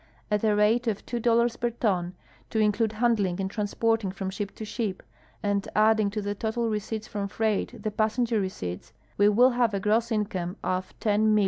At a rate of $2 per ton, to include handling and transpoiding from ship to ship, and adding to the total receipts from freight the passenger re ceipts, Ave AA'ill have a gross income of $10,576,000.